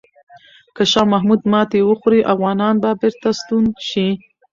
که شاه محمود ماتې وخوري، افغانان به بیرته ستون شي.